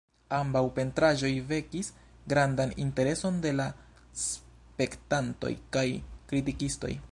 Ambaŭ pentraĵoj vekis grandan intereson de la spektantoj kaj kritikistoj.